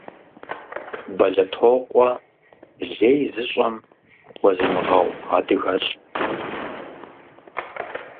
Бэлэтокъуэ лей зыщӀэм хуэзмыгъэгъу адыгэлӀт.